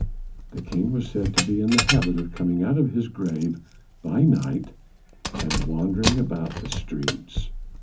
The king was said to be in the habit of coming out of his grave by night, and wandering about the streets.